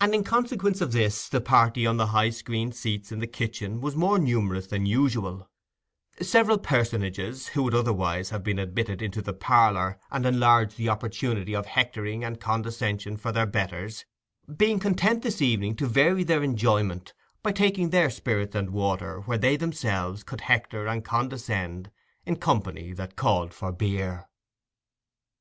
And in consequence of this, the party on the high screened seats in the kitchen was more numerous than usual; several personages, who would otherwise have been admitted into the parlour and enlarged the opportunity of hectoring and condescension for their betters, being content this evening to vary their enjoyment by taking their spirits and water where they could themselves hector and condescend in company that called for beer.